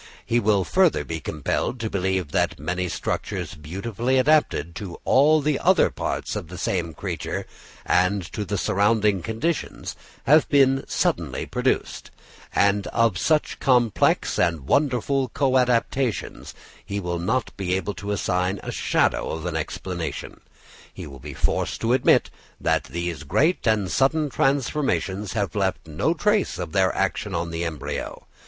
He will further be compelled to believe that many structures beautifully adapted to all the other parts of the same creature and to the surrounding conditions, have been suddenly produced; and of such complex and wonderful co adaptations, he will not be able to assign a shadow of an explanation. He will be forced to admit that these great and sudden transformations have left no trace of their action on the embryo.